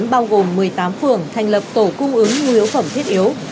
quận hoàn kiếm bao gồm một mươi tám phường thành lập tổ cung ứng nhu yếu phẩm thiết yếu